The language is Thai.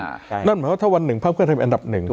นั่นหมายความว่าถ้าวันหนึ่งภาคเพื่อไทยเป็นอันดับหนึ่ง